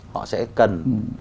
họ sẽ cần